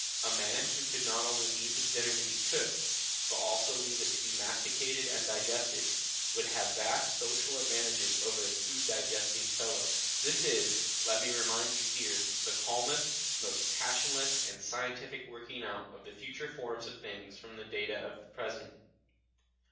A man who could not only leave his dinner to be cooked, but also leave it to be masticated and digested, would have vast social advantages over his food digesting fellow. This is, let me remind you here, the calmest, most passionless, and scientific working out of the future forms of things from the data of the present.